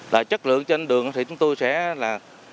là chất lượng trên đường thì chúng tôi sẽ là